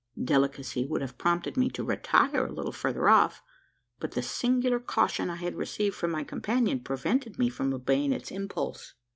Delicacy would have prompted me to retire a little farther off; but the singular caution I had received from my companion, prevented me from obeying its impulse.